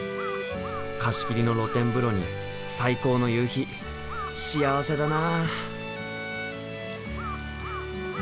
貸し切りの露天風呂に最高の夕日幸せだな。